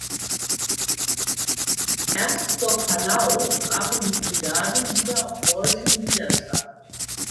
Erst vor Calau trafen die Brigaden wieder auf deutschen Widerstand.